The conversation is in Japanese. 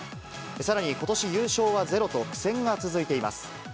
さらにことし優勝はゼロと、苦戦が続いています。